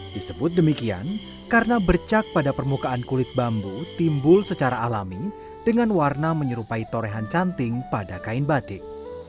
disebut demikian karena bercak pada permukaan kulit bambu timbul secara alami dengan warna menyerupai torehan canting pada kain batik